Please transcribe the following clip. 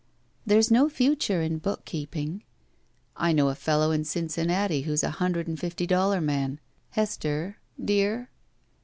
There's no future in bookkeeping." I know a fellow in Cincinnati who's a himdred and fifty doUar man. Hester? Dear?"